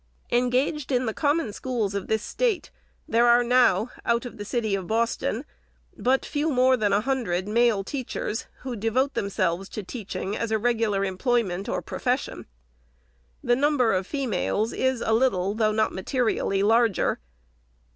Engaged in the Common Schools of this State, there are now, out of the city of Boston, but few more than a hundred male teachers, who devote themselves to teaching as a regular employment or profession. The number of females is a little, though not materially, larger.